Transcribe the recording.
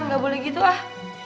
gak boleh gitu ah